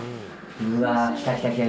うわ、来た来た来た。